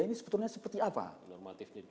ini sebetulnya seperti apa normatifnya